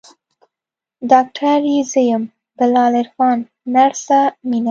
ډاکتر يې زه يم بلال عرفان نرسه مينه.